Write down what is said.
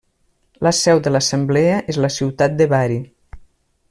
La seu de l'assemblea és la ciutat de Bari.